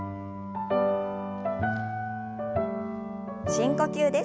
深呼吸です。